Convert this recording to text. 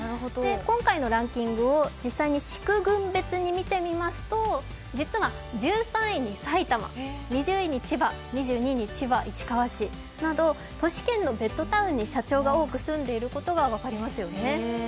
今回のランキングを実際に市区郡別に見てみますと、実は１３位に埼玉、２０位に千葉、２２位に千葉・市川市など都市圏のベッドタウンに社長が多く住んでいることが分かりますよね。